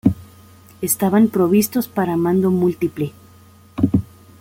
Estaban provistos para mando múltiple.